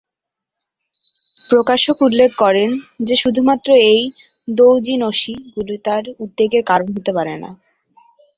প্রকাশক উল্লেখ করেন যে শুধুমাত্র এই "দৌজিনশি"গুলি তার উদ্বেগের কারন হতে পারে না।